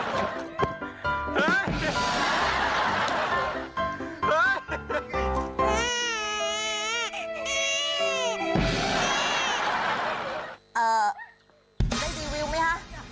เอ่อได้รีวิวไหมฮะ